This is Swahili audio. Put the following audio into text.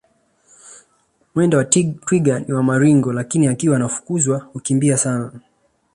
Mwendo wa twiga ni wa maringo lakini akiwa anafukuzwa hukimbia sana